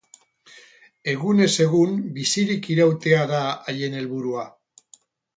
Egunez egun bizirik irautea da haien helburua.